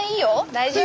大丈夫。